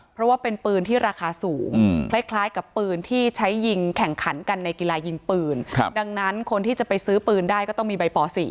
เพราะว่าเป็นปืนที่ราคาสูงคล้ายกับปืนที่ใช้ยิงแข่งขันกันในกีฬายิงปืนดังนั้นคนที่จะไปซื้อปืนได้ก็ต้องมีใบป๔